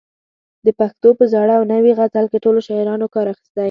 د پښتو په زاړه او نوي غزل کې ټولو شاعرانو کار اخیستی.